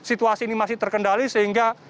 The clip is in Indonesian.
ini masih terkendali sehingga